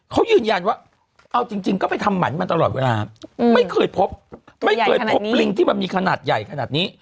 เขายืนยันว่าเอาจริงก็ไปทำหมันมาตลอดเวลาไม่เคยพบไม่เคยพบลิงที่มันมีขนาดใหญ่ขนาดนี้